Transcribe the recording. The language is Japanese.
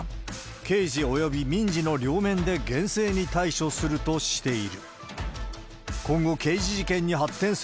刑事及び民事の両面で厳正に対処するとしている。